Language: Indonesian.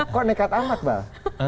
kok nekat amat iqbal